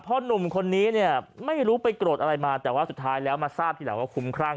หนุ่มคนนี้เนี่ยไม่รู้ไปโกรธอะไรมาแต่ว่าสุดท้ายแล้วมาทราบทีหลังว่าคุ้มครั่ง